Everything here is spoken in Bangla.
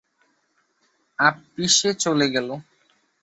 আপিসে চলে গেল।